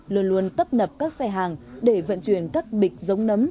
luôn luôn tấp nập các xe hàng để vận chuyển các bịch giống nấm